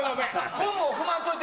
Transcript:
ゴムを踏まんといて。